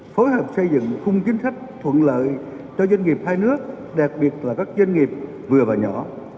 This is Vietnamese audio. phối hợp xây dựng khung chính sách thuận lợi cho doanh nghiệp hai nước đặc biệt là các doanh nghiệp vừa và nhỏ